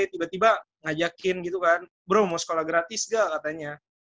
tiba tiba ngajakin gitu kan bro mau sekolah gratis gak katanya